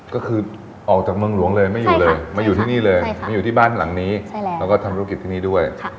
ก็คือออกจากเมืองหลวงเลยไม่อยู่เลยมาอยู่ที่นี่เลยมาอยู่ที่บ้านหลังนี้แล้วก็ทำธุรกิจที่นี่ด้วย